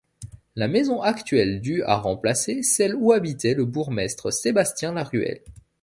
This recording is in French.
La maison actuelle du a remplacé celle où habitait le bourgmestre Sébastien La Ruelle.